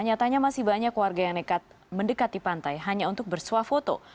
nyatanya masih banyak warga yang nekat mendekati pantai hanya untuk bersuah foto